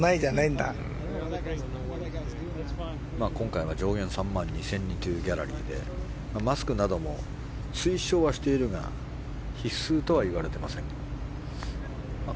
今回、上限が３万２０００人というギャラリーでマスクなども推奨はしているが必須とは言われていません。